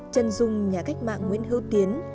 trân dung nhà cách mạng nguyễn hữu tiến